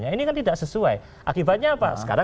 ini kan tidak sesuai akibatnya apa sekarang